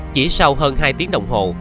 chỉ sau hơn hai tiếng đồng hồ